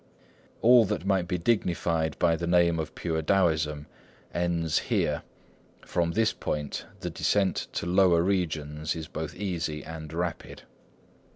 All that might be dignified by the name of pure Taoism ends here. From this point the descent to lower regions is both easy and rapid.